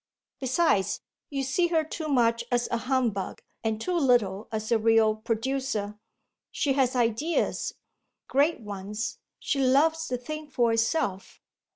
"Besides, you see her too much as a humbug and too little as a real producer. She has ideas great ones; she loves the thing for itself.